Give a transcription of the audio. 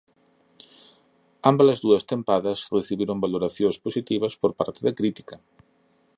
Ámbalas dúas tempadas recibiron valoracións positivas por parte da crítica.